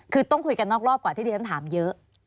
คือต้องคุยกันนอกรอบกว่าที่เดี๋ยวต้องถามเยอะ